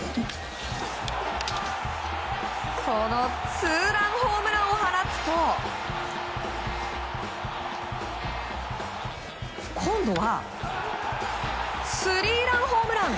このツーランホームランを放つと今度はスリーランホームラン！